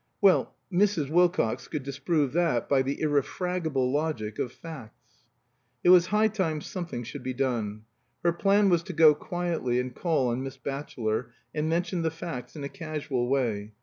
Well, Mrs. Wilcox could disprove that by the irrefragable logic of facts. It was high time something should be done. Her plan was to go quietly and call on Miss Batchelor, and mention the facts in a casual way.